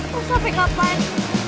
lo usah pick up man